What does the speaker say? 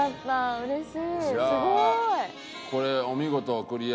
うれしい！